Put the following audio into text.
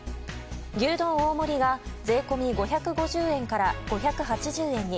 牛丼大盛が税込み５５０円から５８０円に。